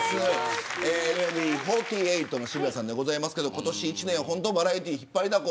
ＮＭＢ４８の渋谷さんでございますけれども今年一年は本当にバラエティーひっぱりだこ。